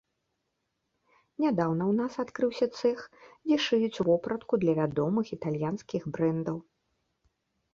Нядаўна ў нас адкрыўся цэх, дзе шыюць вопратку для вядомых італьянскіх брэндаў.